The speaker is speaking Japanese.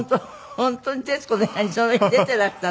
本当に『徹子の部屋』にその日出ていらしたんですね。